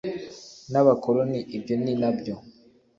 n abakoroni Ibyo ni na byo